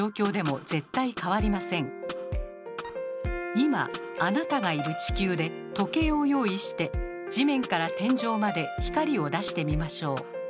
今あなたがいる地球で時計を用意して地面から天井まで光を出してみましょう。